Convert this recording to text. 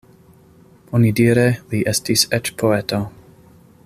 Onidire li estis eĉ poeto.